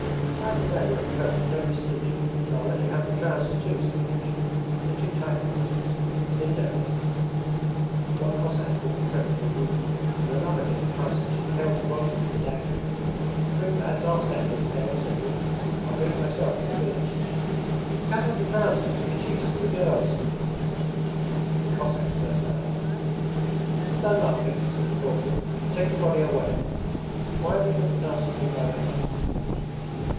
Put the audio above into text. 'Buy the dagger and coat and don't be stingy, and I'll let you have the trousers too,' said Lukashka. 'They're too tight for me; he was a thin devil.' One Cossack bought the coat for a ruble and another gave the price of two pails of vodka for the dagger. 'Drink, lads! I'll stand you a pail!' said Luke. 'I'll bring it myself from the village.' 'And cut up the trousers into kerchiefs for the girls!' said Nazarka. The Cossacks burst out laughing. 'Have done laughing!' said the corporal. 'And take the body away. Why have you put the nasty thing by the hut?'